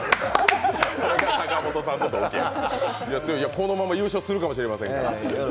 このまま優勝するかもしれませんから。